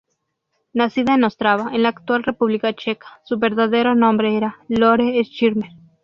Nacida en Ostrava, en la actual República Checa, su verdadero nombre era Lore Schirmer.